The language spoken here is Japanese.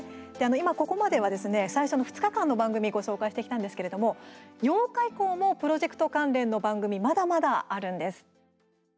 今、ここまでは最初の２日間の番組ご紹介してきたんですけれども８日以降もプロジェクト関連の番組、まだまだあるんです。